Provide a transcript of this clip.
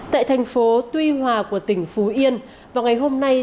tại thành phố tuy hòa của tỉnh phú yên vào ngày hôm nay